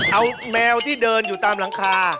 เอาแมวที่เดินอยู่ตามหลังคา